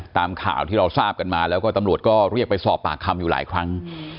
ตามข่าวที่เราทราบกันมาแล้วก็ตำรวจก็เรียกไปสอบปากคำอยู่หลายครั้ง